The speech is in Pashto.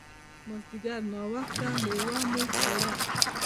مازیګر ناوخته مېوه مو وخوړه.